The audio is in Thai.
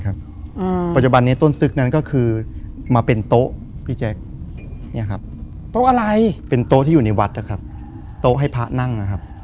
ปัจจุบันต้นซึ๊กนั้นโดนตับ